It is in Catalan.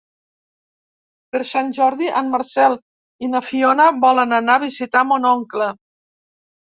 Per Sant Jordi en Marcel i na Fiona volen anar a visitar mon oncle.